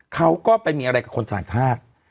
เขาก็ไปมีอะไรกับคนต่างชาติ